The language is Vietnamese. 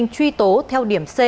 truy tố theo điểm c